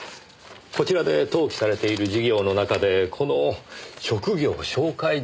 こちらで登記されている事業の中でこの職業紹介事業。